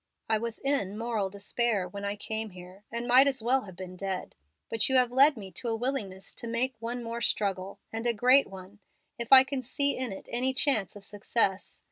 I was in moral despair when I came here, and might as well have been dead, but you have led me to a willingness to make one more struggle, and a great one, if I can see in it any chance of success.